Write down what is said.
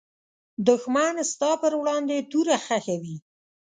دښمن ستا پر وړاندې توره خښوي